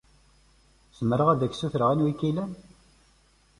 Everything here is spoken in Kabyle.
Zmreɣ ad k-ssutreɣ anwa i k-ilan?